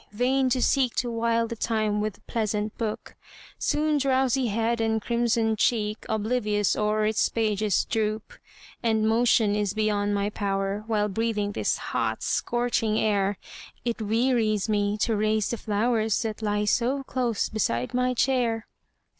vain to seek To while the time with pleasant book, Soon drowsy head and crimsoned cheek Oblivious o'er its pages droop And motion is beyond my power, While breathing this hot, scorching air, It wearies me to raise the flowers, That lie so close beside my chair.